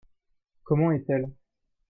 Comment est-elle ?